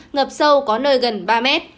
ngập sâu có nơi gần ba m